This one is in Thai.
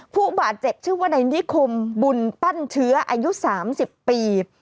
ผู้บาดเจ็บชื่อว่าในนิคมบุญปั้นเชื้ออายุ๓๐ปี